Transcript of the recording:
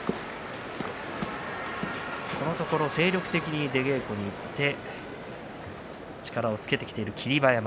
このところ精力的に出稽古に行って力をつけてきている霧馬山。